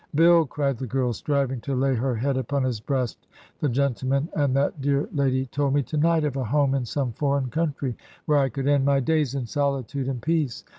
' Bill,' cried the girl, striving to lay her head upon his breast, 'the gentleman, and that dear lady, told me to night of a home in some foreign coun try where I could end my days in soUtude and peace.